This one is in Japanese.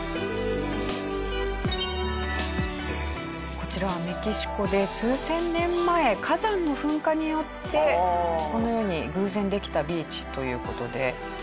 こちらはメキシコで数千年前火山の噴火によってこのように偶然できたビーチという事で。